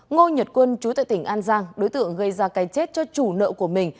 ngô nhật quân trú tại tỉnh an giang đối tượng gây ra cay chết cho chủ nợ của mình